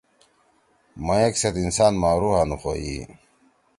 مئک سیت انسان ما رُوحا نُخوئی۔